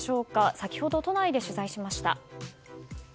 先ほど都内で取材しました。